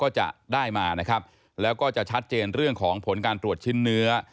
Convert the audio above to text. เจนเรื่องของผลการตรวจชิ้นเนื้อ